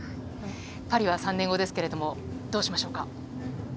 パリは３年後ですけれども、どうしましょうか？